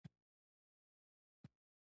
که ګاونډي ته علمي کتاب ورکړې، ته به ثواب واخلی